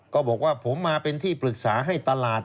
ก็บอกว่าผมมาเป็นที่ปรึกษาให้ตลาด